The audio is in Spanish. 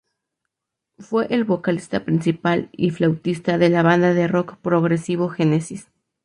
Fue el vocalista principal y flautista de la banda de rock progresivo Genesis.